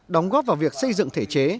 đóng góp vào việc xây dựng thể chế